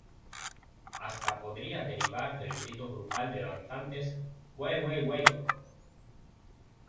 Hasta podría derivar del grito grupal de danzantes "¡way!,¡way!,¡way!